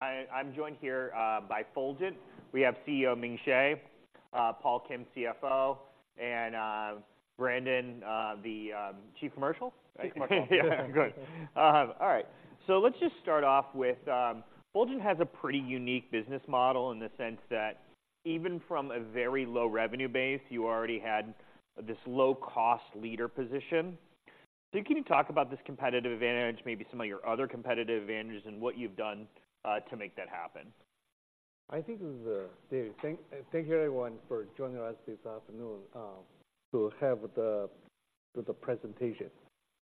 I'm joined here by Fulgent. We have CEO Ming Hsieh, Paul Kim, CFO, and Brandon, the chief commercial? Chief commercial. Yeah, good. All right. So let's just start off with, Fulgent has a pretty unique business model in the sense that even from a very low revenue base, you already had this low-cost leader position. So can you talk about this competitive advantage, maybe some of your other competitive advantages, and what you've done, to make that happen? I think, David, thank, thank you everyone for joining us this afternoon, to have the, the presentation.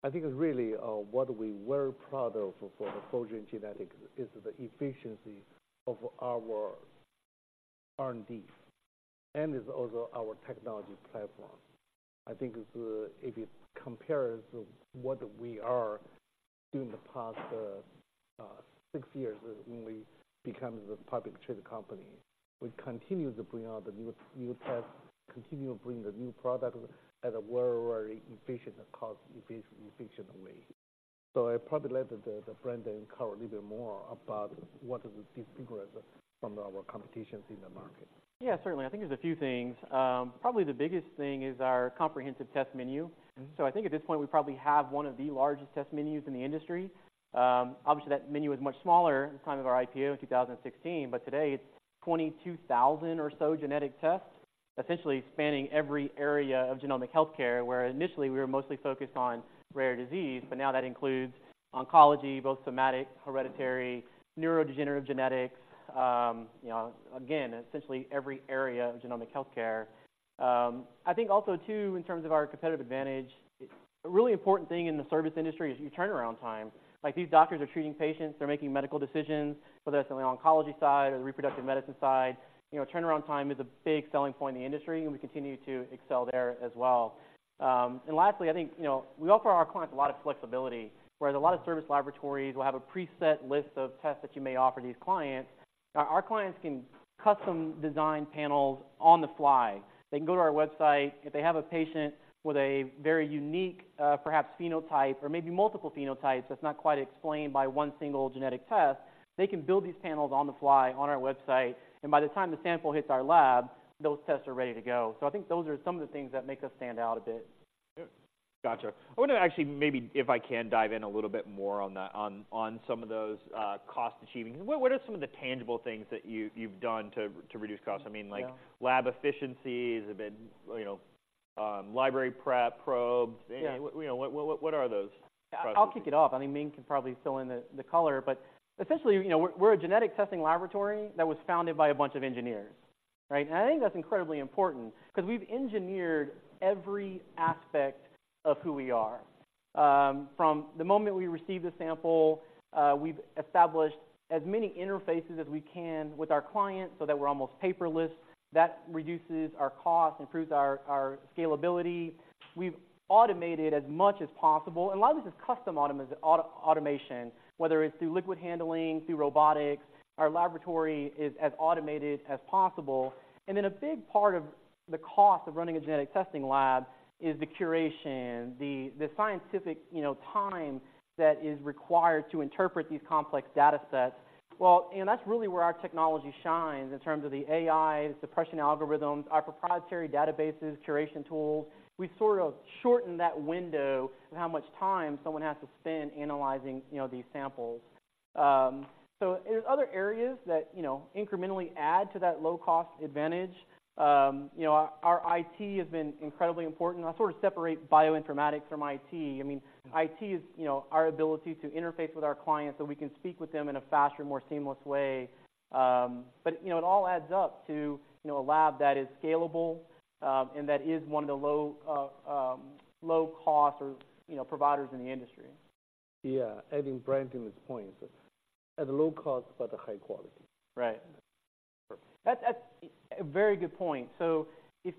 I think really, what we were proud of for the Fulgent Genetics is the efficiency of our R&D, and it's also our technology platform. I think it's, if you compare to what we are doing the past 6 years when we become the public traded company, we continue to bring out the new, new tests, continue to bring the new product at a very, very efficient cost, efficient, efficiently. So I probably let the, the Brandon cover a little bit more about what is different from our competitions in the market. Yeah, certainly. I think there's a few things. Probably the biggest thing is our comprehensive test menu. Mm-hmm. I think at this point, we probably have one of the largest test menus in the industry. Obviously, that menu was much smaller at the time of our IPO in 2016, but today it's 22,000 or so genetic tests, essentially spanning every area of genomic healthcare, where initially we were mostly focused on rare disease, but now that includes oncology, both somatic, hereditary, neurodegenerative genetics, you know, again, essentially every area of genomic healthcare. I think also too, in terms of our competitive advantage, a really important thing in the service industry is your turnaround time. Like, these doctors are treating patients, they're making medical decisions, whether that's on the oncology side or the reproductive medicine side. You know, turnaround time is a big selling point in the industry, and we continue to excel there as well. Lastly, I think, you know, we offer our clients a lot of flexibility, whereas a lot of service laboratories will have a preset list of tests that you may offer these clients. Our clients can custom design panels on the fly. They can go to our website. If they have a patient with a very unique, perhaps phenotype or maybe multiple phenotypes, that's not quite explained by one single genetic test, they can build these panels on the fly on our website, and by the time the sample hits our lab, those tests are ready to go. I think those are some of the things that make us stand out a bit. Good. Gotcha. I want to actually, maybe, if I can, dive in a little bit more on that... on some of those cost achieving. What are some of the tangible things that you've done to reduce costs? I mean, like... Yeah Lab efficiencies, a bit, you know, library prep, probes... Yeah. You know, what are those? I'll kick it off. I mean, Ming can probably fill in the color, but essentially, you know, we're a genetic testing laboratory that was founded by a bunch of engineers, right? And I think that's incredibly important, 'cause we've engineered every aspect of who we are. From the moment we receive the sample, we've established as many interfaces as we can with our clients so that we're almost paperless. That reduces our cost, improves our scalability. We've automated as much as possible, and a lot of this is custom automation, whether it's through liquid handling, through robotics. Our laboratory is as automated as possible. And then a big part of the cost of running a genetic testing lab is the curation, the scientific time that is required to interpret these complex data sets. Well, and that's really where our technology shines in terms of the AI, suppression algorithms, our proprietary databases, curation tools. We sort of shorten that window of how much time someone has to spend analyzing, you know, these samples. So there's other areas that, you know, incrementally add to that low-cost advantage. You know, our IT has been incredibly important. I sort of separate bioinformatics from IT. I mean, IT is, you know, our ability to interface with our clients so we can speak with them in a faster, more seamless way. But, you know, it all adds up to, you know, a lab that is scalable, and that is one of the low-cost providers in the industry. Yeah. Adding Brandon's points, at low cost, but high quality. Right. That's a very good point. So if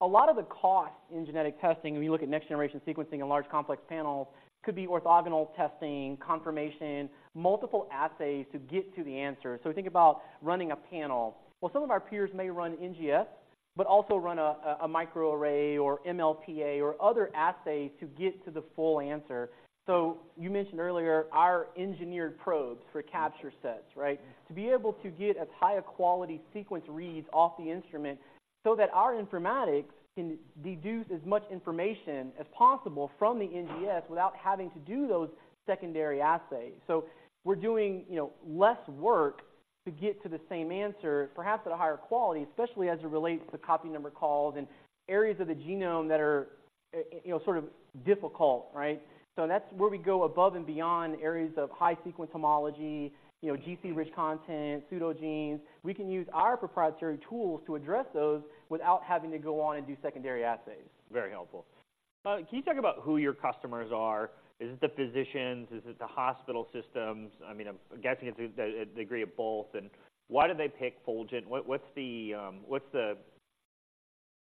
a lot of the cost in genetic testing, if you look at next-generation sequencing and large complex panels, could be orthogonal testing, confirmation, multiple assays to get to the answer. So think about running a panel. Well, some of our peers may run NGS, but also run a microarray or MLPA or other assays to get to the full answer. So you mentioned earlier our engineered probes for capture sets, right? To be able to get as high a quality sequence reads off the instrument so that our informatics can deduce as much information as possible from the NGS without having to do those secondary assays. So we're doing, you know, less work to get to the same answer, perhaps at a higher quality, especially as it relates to copy number calls and areas of the genome that are, you know, sort of difficult, right? So that's where we go above and beyond areas of high sequence homology, you know, GC-rich content, pseudogenes. We can use our proprietary tools to address those without having to go on and do secondary assays. Very helpful. Can you talk about who your customers are? Is it the physicians? Is it the hospital systems? I mean, I'm guessing it's a degree of both. Why do they pick Fulgent? What's the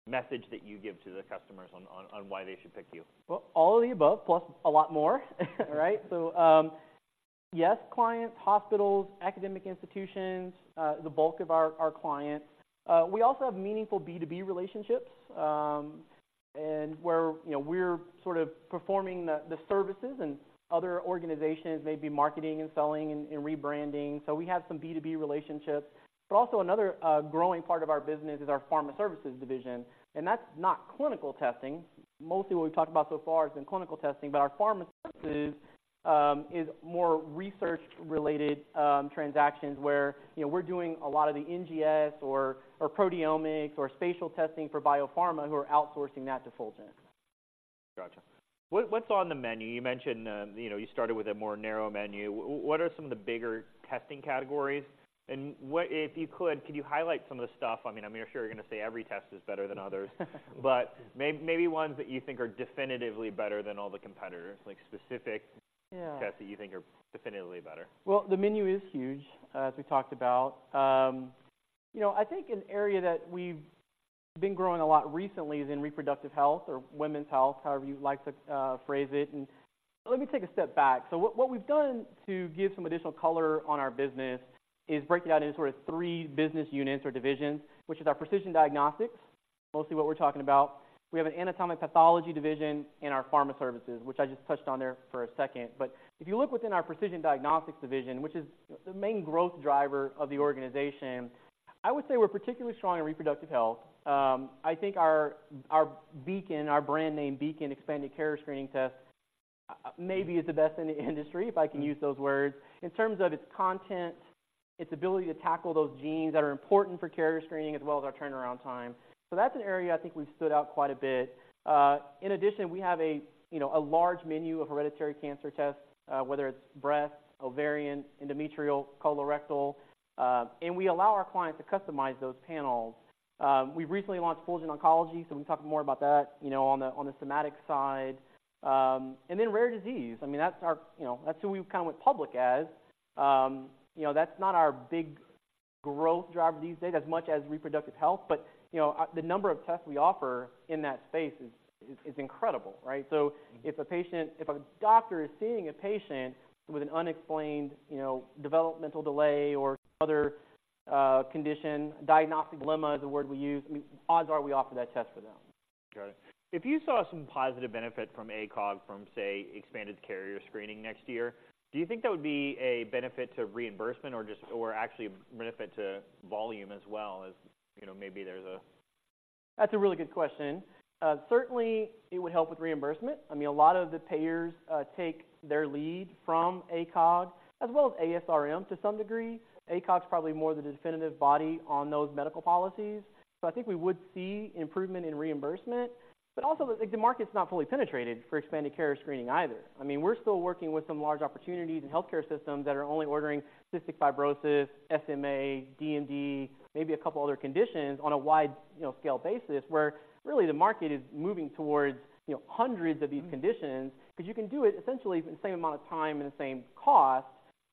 message that you give to the customers on why they should pick you? Well, all of the above, plus a lot more, right? So, yes, clients, hospitals, academic institutions, the bulk of our clients. We also have meaningful B2B relationships, and where, you know, we're sort of performing the services and other organizations may be marketing and selling and rebranding. So we have some B2B relationships. But also another growing part of our business is our pharma services division, and that's not clinical testing. Mostly what we've talked about so far has been clinical testing, but our pharma services is more research-related transactions, where, you know, we're doing a lot of the NGS or proteomics or spatial testing for biopharma, who are outsourcing that to Fulgent. Gotcha. What, what's on the menu? You mentioned, you know, you started with a more narrow menu. What are some of the bigger testing categories? And what—if you could, could you highlight some of the stuff? I mean, I'm sure you're going to say every test is better than others. But maybe ones that you think are definitively better than all the competitors, like specific... Yeah. Tests that you think are definitively better. Well, the menu is huge, as we talked about. You know, I think an area that we've been growing a lot recently is in reproductive health or women's health, however you'd like to phrase it. Let me take a step back. So what we've done to give some additional color on our business is break it out into sort of three business units or divisions, which is our precision diagnostics, mostly what we're talking about. We have an anatomic pathology division in our pharma services, which I just touched on there for a second. If you look within our precision diagnostics division, which is the main growth driver of the organization, I would say we're particularly strong in reproductive health. I think our, our Beacon, our brand name, Beacon Expanded Carrier Screening test, maybe is the best in the industry, if I can use those words, in terms of its content, its ability to tackle those genes that are important for carrier screening, as well as our turnaround time. So that's an area I think we've stood out quite a bit. In addition, we have, you know, a large menu of hereditary cancer tests, whether it's breast, ovarian, endometrial, colorectal, and we allow our clients to customize those panels. We recently launched Fulgent Oncology, so we can talk more about that, you know, on the somatic side. And then rare disease. I mean, that's our... You know, that's who we've come with public as. You know, that's not our big growth driver these days as much as reproductive health, but, you know, the number of tests we offer in that space is incredible, right? So if a patient, if a doctor is seeing a patient with an unexplained, you know, developmental delay or other condition, diagnostic dilemma is the word we use, odds are we offer that test for them. Got it. If you saw some positive benefit from ACOG from, say, expanded carrier screening next year, do you think that would be a benefit to reimbursement or just, or actually a benefit to volume as well as, you know, maybe there's a... That's a really good question. Certainly, it would help with reimbursement. I mean, a lot of the payers take their lead from ACOG as well as ASRM, to some degree. ACOG is probably more the definitive body on those medical policies. So I think we would see improvement in reimbursement, but also, the market's not fully penetrated for expanded carrier screening either. I mean, we're still working with some large opportunities and healthcare systems that are only ordering cystic fibrosis, SMA, DMD, maybe a couple other conditions on a wide, you know, scale basis, where really the market is moving towards, you know, hundreds of these conditions, because you can do it essentially in the same amount of time and the same cost.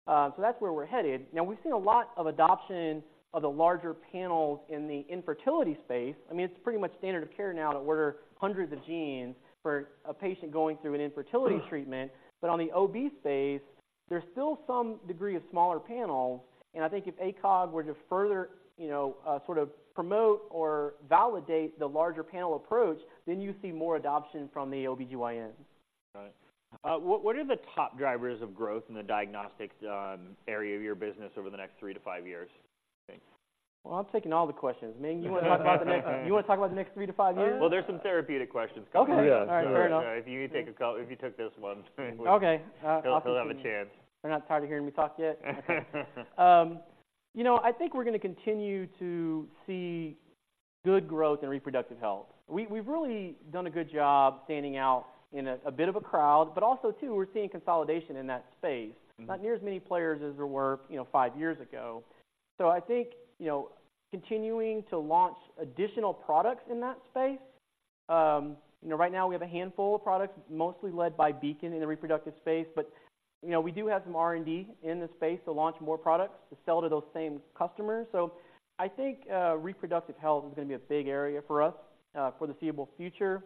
So that's where we're headed. Now, we've seen a lot of adoption of the larger panels in the infertility space. I mean, it's pretty much standard of care now to order hundreds of genes for a patient going through an infertility treatment. But on the OB space, there's still some degree of smaller panels, and I think if ACOG were to further, you know, sort of promote or validate the larger panel approach, then you'd see more adoption from the OB-GYNs. Got it. What are the top drivers of growth in the diagnostics area of your business over the next three to five years? Well, I'm taking all the questions. Ming, you want to talk about the next 3-5 years? Well, there's some therapeutic questions coming. Okay. Yeah. All right. Fair enough. If you took this one. Okay. He'll have a chance. They're not tired of hearing me talk yet? You know, I think we're going to continue to see good growth in reproductive health. We've really done a good job standing out in a bit of a crowd, but also too, we're seeing consolidation in that space. Mm-hmm. Not near as many players as there were, you know, five years ago. So I think, you know, continuing to launch additional products in that space. You know, right now we have a handful of products, mostly led by Beacon in the reproductive space, but, you know, we do have some R&D in the space to launch more products to sell to those same customers. So I think, reproductive health is going to be a big area for us, for the foreseeable future.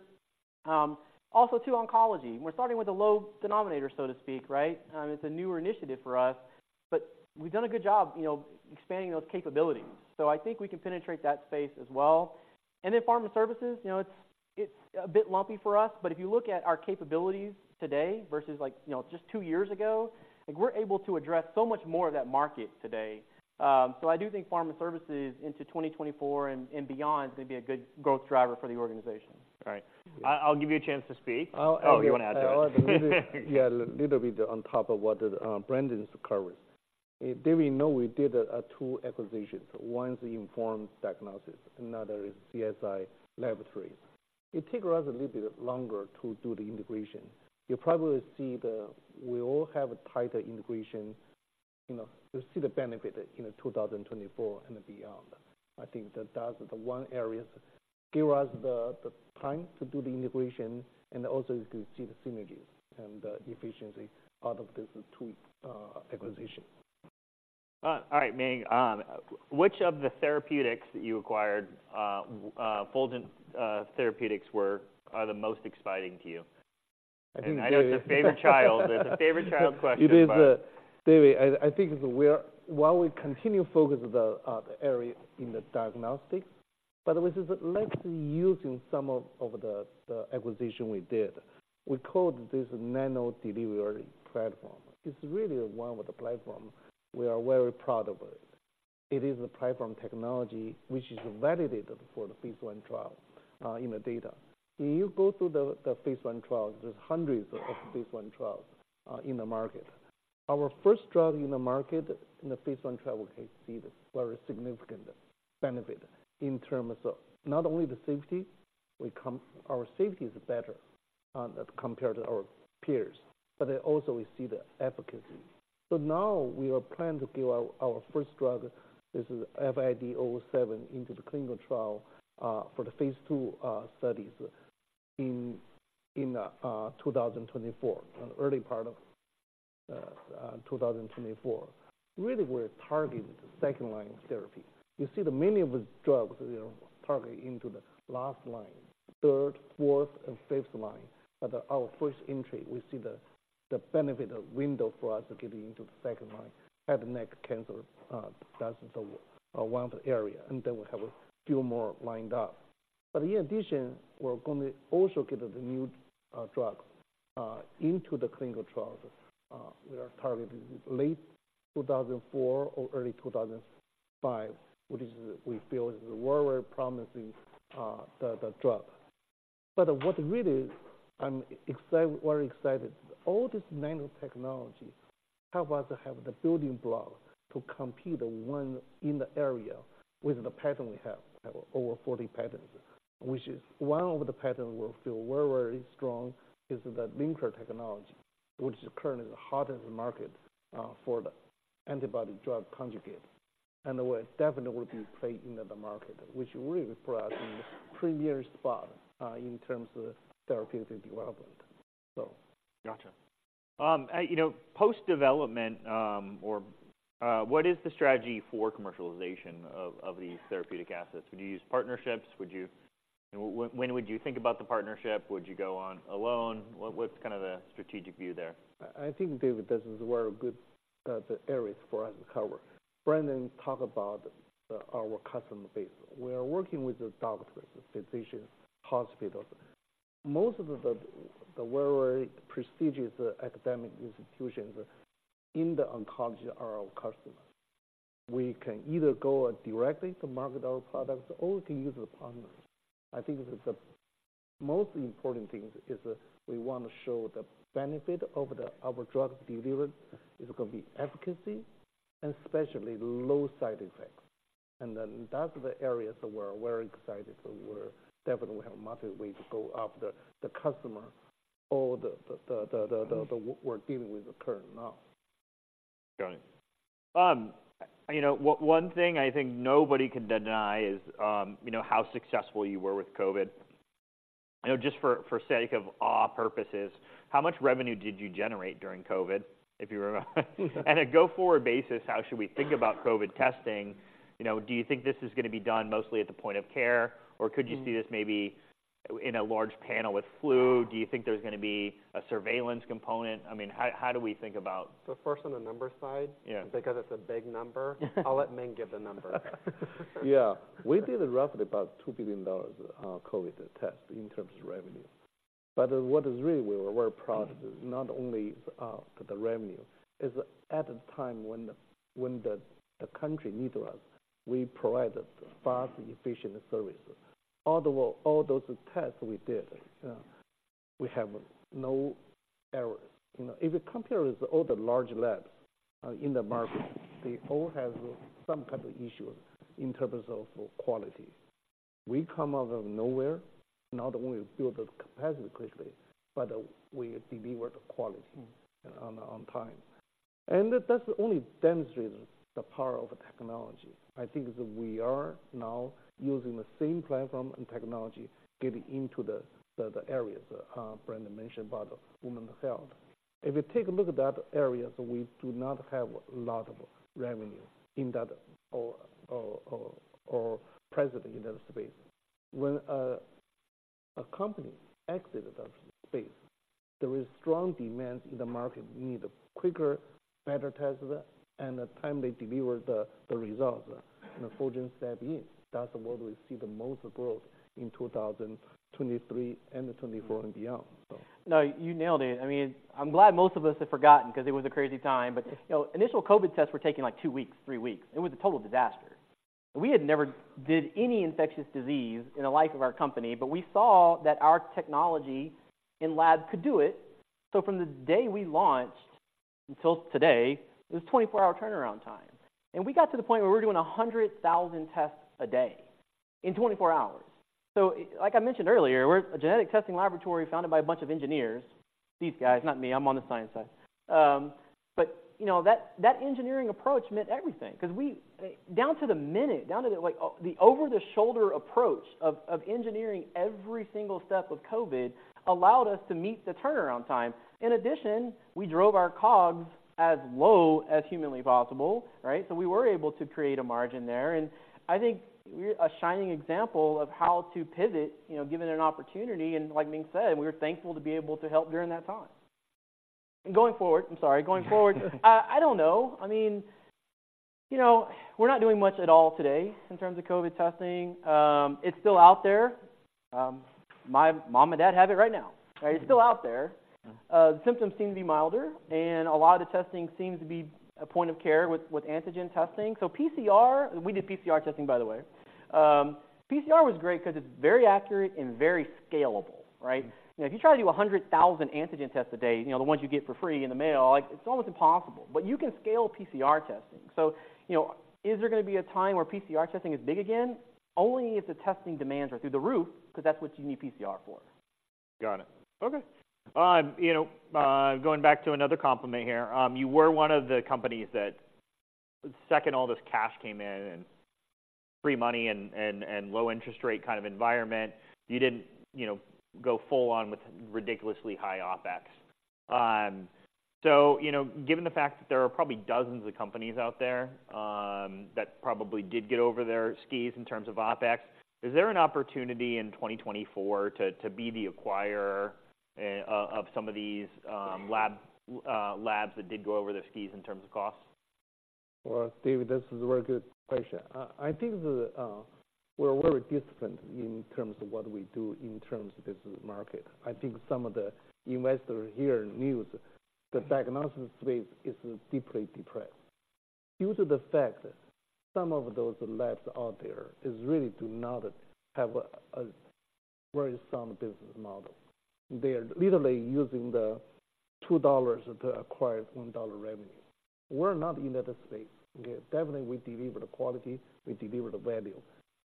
Also, too, oncology. We're starting with a low denominator, so to speak, right? It's a newer initiative for us, but we've done a good job, you know, expanding those capabilities. So I think we can penetrate that space as well. Then pharma services, you know, it's a bit lumpy for us, but if you look at our capabilities today versus like, you know, just two years ago, like we're able to address so much more of that market today. So I do think pharma services into 2024 and beyond may be a good growth driver for the organization. All right. I'll give you a chance to speak. I'll... Oh, you want to add to it? Yeah, a little bit on top of what Brandon covered. As David know, we did two acquisitions. One is Inform Diagnostics, another is CSI Laboratories. It take us a little bit longer to do the integration. You'll probably see the - we all have a tighter integration, you know, to see the benefit in 2024 and beyond. I think that that's the one area. Give us the, the time to do the integration and also to see the synergies and the efficiency out of these two acquisitions. All right, Ming, which of the therapeutics that you acquired, Fulgent Therapeutics, are the most exciting to you? I know it's your favorite child. It's a favorite child question. It is, David, I think we are while we continue to focus the area in the diagnostics, but we is likely using some of the acquisition we did. We called this nano delivery platform. It's really one of the platform we are very proud of it. It is a platform technology, which is validated for the Phase 1 trial in the data. When you go through the Phase 1 trial, there's hundreds of Phase 1 trials in the market. Our first drug in the market, in the Phase 1 trial, can see the very significant benefit in terms of not only the safety, our safety is better compared to our peers, but then also we see the efficacy. Now we are planning to give our first drug, this is FID-007, into the clinical trial, for the Phase 2 studies in 2024, in the early part of 2024. Really, we're targeting the second line therapy. You see the many of the drugs, you know, target into the last line, third, fourth, and fifth line. But our first entry, we see the benefit, the window for us to get into the second line, head and neck cancer, that's one area, and then we have a few more lined up. But in addition, we're going to also get the new drug into the clinical trial. We are targeting late 2024 or early 2025, which is, we feel is very, very promising, the drug. What really, I'm excited, all this nanotechnology helps us to have the building block to compete in the area with the patents we have, over 40 patents. One of the patents we feel very, very strong is the linker technology, which is currently the hottest market for the antibody drug conjugate, and we definitely will be playing in the market, which really puts us in the premier spot in terms of therapeutic development, so. Gotcha. You know, post-development, or what is the strategy for commercialization of these therapeutic assets? Would you use partnerships? When would you think about the partnership? Would you go on alone? What's kind of the strategic view there? I think, David, this is very good, the areas for us to cover. Brandon, talk about our customer base. We are working with the doctors, physicians, hospitals. Most of the very prestigious academic institutions in the oncology are our customers. We can either go directly to market our products or to use a partner. I think that the most important thing is that we want to show the benefit of the our drug delivery is going to be efficacy and especially low side effects. And then that's the areas where we're excited, so we're definitely have a multiple way to go after the customer or the we're dealing with the current now. Got it. You know, one thing I think nobody can deny is, you know, how successful you were with COVID. You know, just for sake of all purposes, how much revenue did you generate during COVID, if you remember? And a go-forward basis, how should we think about COVID testing? You know, do you think this is going to be done mostly at the point of care, or could you see this maybe in a large panel with flu? Do you think there's going to be a surveillance component? I mean, how do we think about... First, on the number side... Yeah. Because it's a big number. I'll let Ming give the number. Yeah. We did roughly about $2 billion COVID test in terms of revenue. But what is really, we're proud, not only the revenue, is at the time when the country need us, we provided fast and efficient service. All those tests we did, we have no errors. You know, if you compare with all the large labs in the market, they all have some type of issue in terms of quality. We come out of nowhere, not only we build the capacity quickly, but we deliver the quality... Mm-hmm. on time. And that only demonstrates the power of technology. I think that we are now using the same platform and technology getting into the areas Brandon mentioned about women's health. If you take a look at that area, we do not have a lot of revenue in that or presently in that space. When a company exited that space, there is strong demand in the market. We need quicker, better test, and a timely deliver the results, and Fulgent step in. That's where we see the most growth in 2023 and 2024 and beyond, so. No, you nailed it. I mean, I'm glad most of us have forgotten because it was a crazy time. But, you know, initial COVID tests were taking, like, 2 weeks, 3 weeks. It was a total disaster. We had never did any infectious disease in the life of our company, but we saw that our technology in lab could do it. So from the day we launched until today, it was 24-hour turnaround time. And we got to the point where we were doing 100,000 tests a day in 24 hours. So like I mentioned earlier, we're a genetic testing laboratory founded by a bunch of engineers. These guys, not me, I'm on the science side. But you know, that, that engineering approach meant everything, because we, down to the minute, down to the, like, the over-the-shoulder approach of, of engineering every single step of COVID allowed us to meet the turnaround time. In addition, we drove our COGS as low as humanly possible, right? So we were able to create a margin there, and I think we're a shining example of how to pivot, you know, given an opportunity. And like Ming said, we were thankful to be able to help during that time. Going forward, I'm sorry. Going forward, I don't know. I mean, you know, we're not doing much at all today in terms of COVID testing. It's still out there. My mom and dad have it right now. Right? It's still out there. The symptoms seem to be milder, and a lot of the testing seems to be a point of care with antigen testing. So PCR, we did PCR testing, by the way. PCR was great 'cause it's very accurate and very scalable, right? You know, if you try to do 100,000 antigen tests a day, you know, the ones you get for free in the mail, like, it's almost impossible. But you can scale PCR testing. So, you know, is there gonna be a time where PCR testing is big again? Only if the testing demands are through the roof, 'cause that's what you need PCR for. Got it. Okay. You know, going back to another compliment here. You were one of the companies that the second all this cash came in and free money and, and, and low interest rate kind of environment, you didn't, you know, go full on with ridiculously high OpEx. So, you know, given the fact that there are probably dozens of companies out there, that probably did get over their skis in terms of OpEx, is there an opportunity in 2024 to, to be the acquirer, of, of some of these, lab, labs that did go over their skis in terms of costs? Well, Steve, this is a very good question. I think the, we're very different in terms of what we do in terms of business market. I think some of the investors here knew the diagnosis space is deeply depressed due to the fact that some of those labs out there is really do not have a very sound business model. They're literally using the $2 to acquire $1 revenue. We're not in that space. Okay, definitely, we deliver the quality, we deliver the value.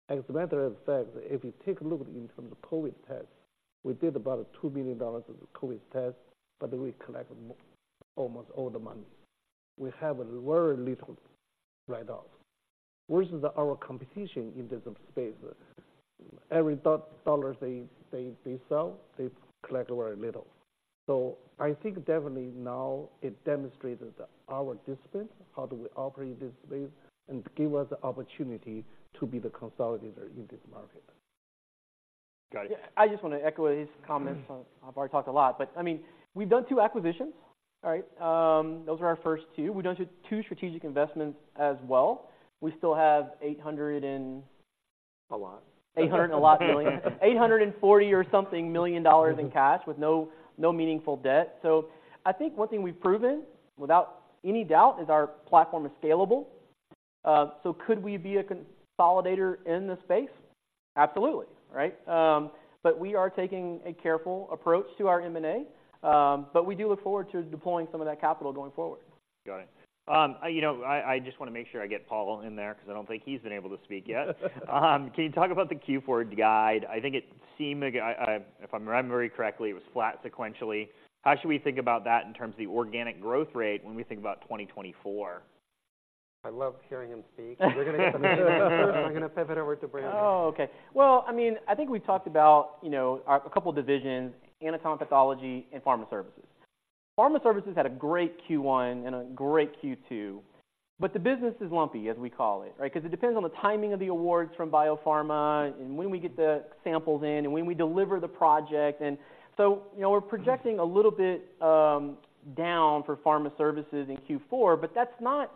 As a matter of fact, if you take a look in terms of COVID test, we did about $2 million of COVID test, but we collect almost all the money. We have a very little write-off, versus our competition in this space. Every dollar they sell, they collect very little. I think definitely now it demonstrated our discipline, how do we operate this space, and give us the opportunity to be the consolidator in this market. Got it. Yeah, I just wanna echo his comments. I've already talked a lot, but I mean, we've done two acquisitions. All right? Those are our first two. We've done two strategic investments as well. We still have 800 and... A lot. $800 and a lot million. $840 or something million in cash with no, no meaningful debt. So I think one thing we've proven, without any doubt, is our platform is scalable. So could we be a consolidator in the space? Absolutely. Right? But we are taking a careful approach to our M&A, but we do look forward to deploying some of that capital going forward. Got it. You know, I just wanna make sure I get Paul in there, 'cause I don't think he's been able to speak yet. Can you talk about the fourth quarter guide? I think it seemed like if I remember correctly, it was flat sequentially. How should we think about that in terms of the organic growth rate when we think about 2024? I love hearing him speak. We're gonna pivot over to Brandon. Oh, okay. Well, I mean, I think we've talked about, you know, a couple divisions, anatomic pathology and pharma services. Pharma services had a great first quarter and a great second quarter, but the business is lumpy, as we call it, right? Because it depends on the timing of the awards from biopharma and when we get the samples in and when we deliver the project. And so, you know, we're projecting a little bit down for pharma services in fourth quarter, but that's not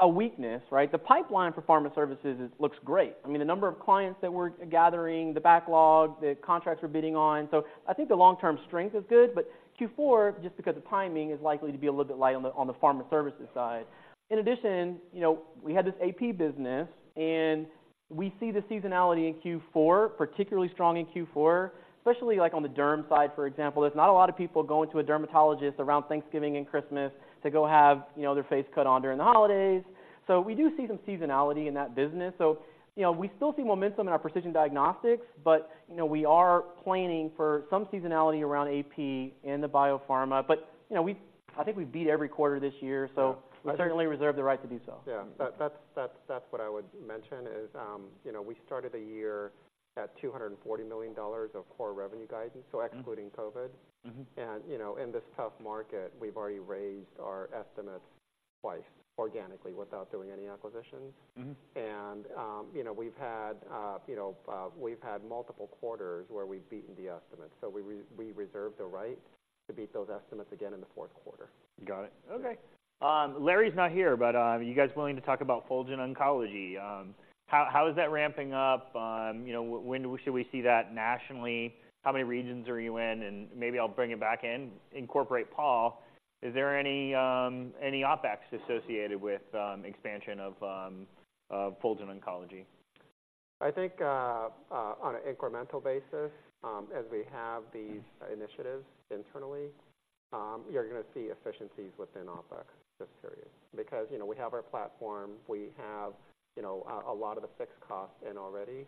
a weakness, right? The pipeline for pharma services looks great. I mean, the number of clients that we're gathering, the backlog, the contracts we're bidding on. So I think the long-term strength is good, but fourth quarter, just because the timing, is likely to be a little bit light on the pharma services side. In addition, you know, we had this AP business and we see the seasonality in fourth quarter, particularly strong in fourth quarter, especially like on the derm side, for example. There's not a lot of people going to a dermatologist around Thanksgiving and Christmas to go have, you know, their face cut on during the holidays. So we do see some seasonality in that business. So, you know, we still see momentum in our precision diagnostics, but you know, we are planning for some seasonality around AP in the biopharma. But, you know, we - I think we beat every quarter this year, so... Yeah. We certainly reserve the right to do so. Yeah, that's what I would mention is, you know, we started the year at $240 million of core revenue guidance, so excluding COVID. Mm-hmm. You know, in this tough market, we've already raised our estimates twice organically, without doing any acquisitions. Mm-hmm. You know, we've had multiple quarters where we've beaten the estimates, so we reserve the right to beat those estimates again in the fourth quarter. Got it. Okay. Larry's not here, but are you guys willing to talk about Fulgent Oncology? How is that ramping up? You know, when should we see that nationally? How many regions are you in? And maybe I'll bring it back in, incorporate Paul. Is there any OpEx associated with expansion of Fulgent Oncology? I think on an incremental basis, as we have these initiatives internally, you're gonna see efficiencies within OpEx this period. Because, you know, we have our platform, we have, you know, a lot of the fixed costs in already.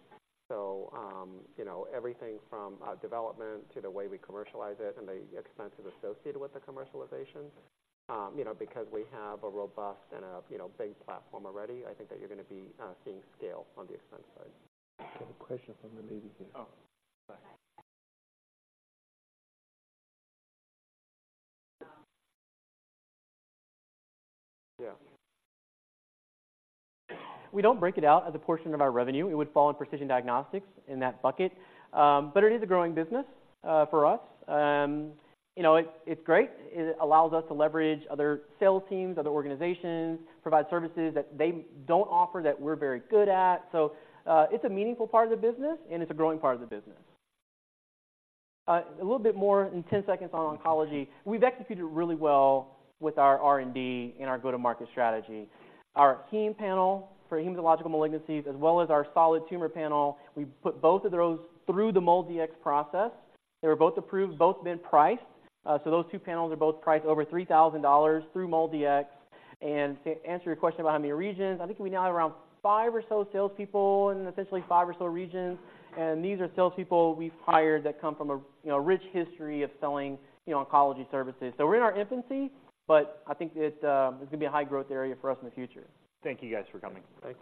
So, you know, everything from development to the way we commercialize it and the expenses associated with the commercialization, you know, because we have a robust and you know big platform already, I think that you're gonna be seeing scale on the expense side. I have a question from the lady here. Oh, go ahead. We don't break it out as a portion of our revenue. It would fall in precision diagnostics, in that bucket. But it is a growing business, for us. You know, it, it's great. It allows us to leverage other sales teams, other organizations, provide services that they don't offer, that we're very good at. So, it's a meaningful part of the business, and it's a growing part of the business. A little bit more in 10 seconds on oncology. We've executed really well with our R&D and our go-to-market strategy. Our heme panel for hematological malignancies, as well as our solid tumor panel, we've put both of those through the MolDX process. They were both approved, both been priced. So those two panels are both priced over $3,000 through MolDX. To answer your question about how many regions, I think we now have around five or so salespeople in essentially five or so regions, and these are salespeople we've hired that come from a, you know, rich history of selling, you know, oncology services. So we're in our infancy, but I think it is gonna be a high growth area for us in the future. Thank you guys for coming. Thank you.